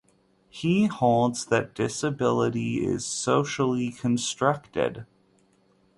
He holds that disability is socially constructed.